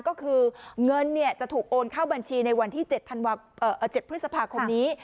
ก็คือเงินจะถูกโอนเข้าบัญชีในวันที่๗พฤษภาคมนี้